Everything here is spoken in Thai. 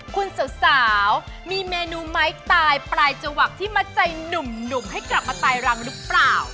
คุณสาวมีเมนูไม้ตายปลายจวักที่มัดใจหนุ่มให้กลับมาตายรังหรือเปล่า